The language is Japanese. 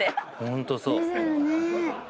ホントそう。